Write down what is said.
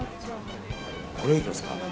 これ、いくらですか？